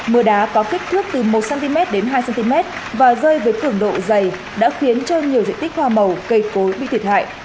mưa đá có kích thước từ một cm đến hai cm và rơi với cường độ dày đã khiến cho nhiều diện tích hoa màu cây cối bị thiệt hại